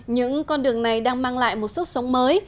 những con đường này đang mang lại một sức sống mới